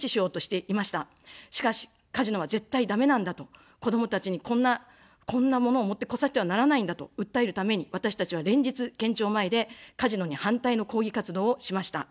しかし、カジノは絶対だめなんだと、子どもたちにこんな、こんなものを持って来させてはならないんだと訴えるために、私たちは連日、県庁前でカジノに反対の抗議活動をしました。